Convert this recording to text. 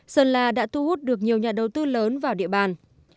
sơn la đã thu hút được nhiều nhà đầu tư lớn vào địa bàn